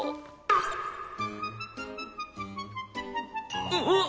あっ。